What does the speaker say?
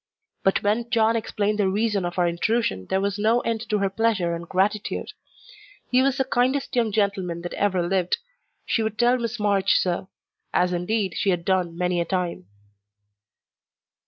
But when John explained the reason of our intrusion there was no end to her pleasure and gratitude. He was the kindest young gentleman that ever lived. She would tell Miss March so; as, indeed, she had done many a time.